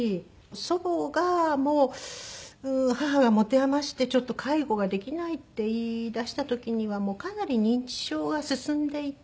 祖母がもう母が持て余して「ちょっと介護ができない」って言いだした時にはもうかなり認知症が進んでいて。